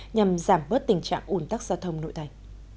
nhằm giảm bớt tình trạng ủn tắc giao thông nội thành